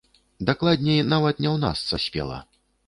Дакладней, нават не ў нас саспела.